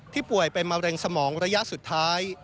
ป่วยเป็นมะเร็งสมองระยะสุดท้าย